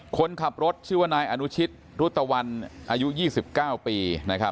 คนขับรถชื่อว่านายอนุชิตรุตวันอายุ๒๙ปี